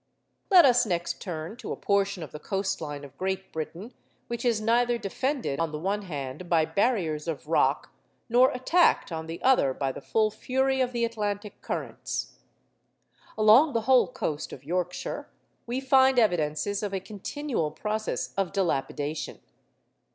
Let us next turn to a portion of the coast line of Great Britain which is neither defended, on the one hand, by barriers of rock, nor attacked, on the other, by the full fury of the Atlantic currents. Along the whole coast of Yorkshire we find evidences of a continual process of dilapidation.